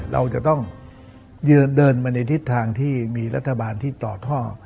เราจะต้องเดินมาในทิศทางที่มีรัฐบาลที่ต่อท่อ